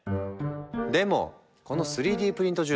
でもこの３Ｄプリント住宅